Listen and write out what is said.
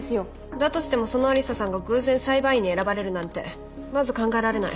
だとしてもその愛理沙さんが偶然裁判員に選ばれるなんてまず考えられない。